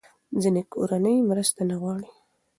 ځینې کورنۍ مرسته نه غواړي.